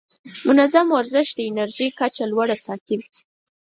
منظم ورزش د انرژۍ کچه لوړه ساتي.